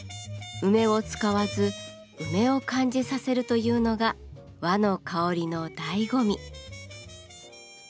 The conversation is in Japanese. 梅を使わず梅を感じさせるというのが和の香りの醍醐味。